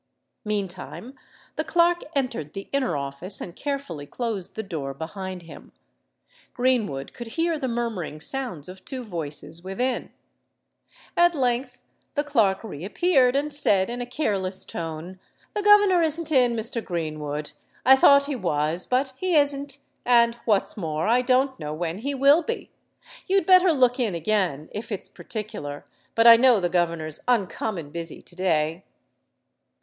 Meantime the clerk entered the inner office, and carefully closed the door behind him. Greenwood could hear the murmuring sounds of two voices within. At length the clerk re appeared, and said in a careless tone, "The governor isn't in, Mr. Greenwood: I thought he was—but he isn't—and, what's more, I don't know when he will be. You'd better look in again, if it's particular; but I know the governor's uncommon busy to day."